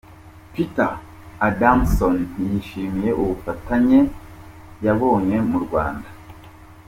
Peter Adamson yishimiye ubufatanye yabonye mu Rwanda.